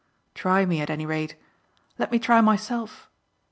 Try me at any rate. Let me try myself.